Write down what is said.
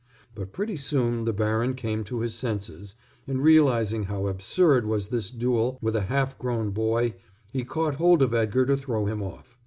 But pretty soon the baron came to his senses and realizing how absurd was this duel with a half grown boy he caught hold of Edgar to throw him off.